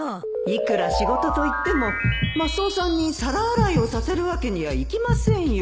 いくら仕事といってもマスオさんに皿洗いをさせるわけにはいきませんよ